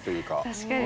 確かに。